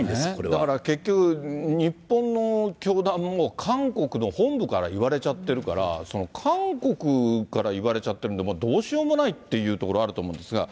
だから結局、日本の教団も、韓国の本部から言われちゃってるから、韓国から言われちゃってるんで、もうどうしようもないっていうところあるんですが。